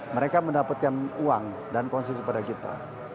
mereka mendapatkan uang dan konsis pada kita